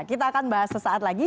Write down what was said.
kita akan bahas sesaat lagi